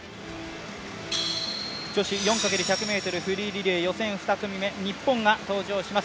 女子４×１００ｍフリーリレー予選２組目、日本が登場します。